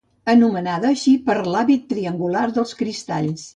Anomenada així per l’hàbit triangular dels cristalls.